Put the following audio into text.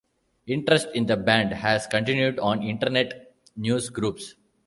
Interest in the band has continued on Internet news groups.